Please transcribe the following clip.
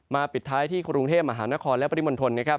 มาปิดท้ายที่กรุงเทพฯมหานครและปริมณฑล